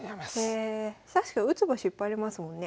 確かに打つ場所いっぱいありますもんね。